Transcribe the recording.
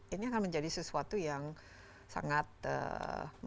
ini akan menjadi sesuatu yang sangat menarik